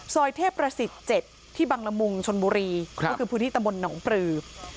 ซอยเทพประสิทธิ์๗ที่บังละมุงชนบุรีก็คือพื้นที่ตำบลหนองปลือ